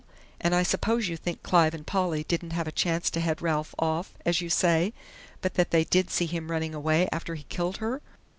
And I suppose you think Clive and Polly didn't have a chance to head Ralph off, as you say, but that they did see him running away after he killed her?"